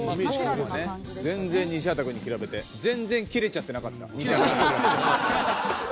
全然西畑くんに比べて全然キレちゃってなかった道枝くん。